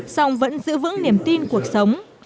song vẫn giữ vững niềm tin cuộc sống